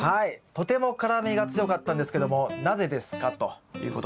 「とても辛みが強かったんですけどもなぜですか？」ということですけども。